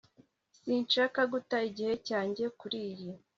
Sinshaka guta igihe cyanjye kuriyi